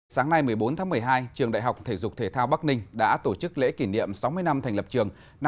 sáng nay một mươi bốn tháng một mươi hai trường đại học thể dục thể thao bắc ninh đã tổ chức lễ kỷ niệm sáu mươi năm thành lập trường